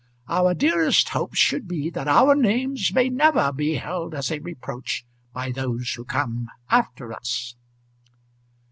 Our dearest hopes should be that our names may never be held as a reproach by those who come after us."